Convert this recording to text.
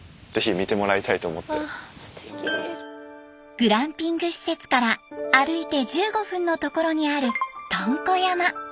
グランピング施設から歩いて１５分の所にあるとんこ山。